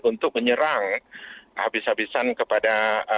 untuk menyerang habis habisan kepada